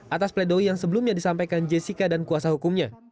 atas pledoi yang sebelumnya disampaikan jessica dan kuasa hukumnya